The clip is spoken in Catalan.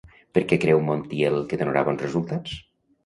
Per què creu Montiel que donarà bons resultats?